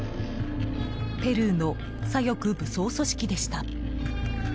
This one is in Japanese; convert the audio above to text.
ペルーの左翼武装組織でした。